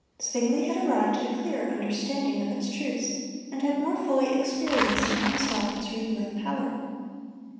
Zwingle had arrived at a clearer understanding of its truths, and had more fully experienced in himself its renewing power.